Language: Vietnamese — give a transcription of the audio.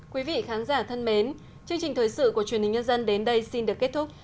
quý vị khán giả thân mến chương trình thời sự của truyền hình nhân dân đến đây xin được kết thúc